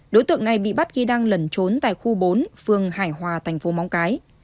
đối tượng này bị bắt khi đang lẩn trốn tại khu bốn phường hải hòa thành phố móng cái